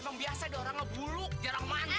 emang biasa deh orangnya bulu jarang mandi